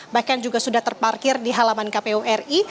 bahkan juga sudah terparkir di halaman kpu ri